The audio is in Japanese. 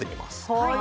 はい。